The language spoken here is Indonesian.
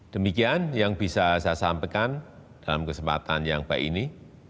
demikian yang bisa saya sampaikan dalam kesempatan yang baik ini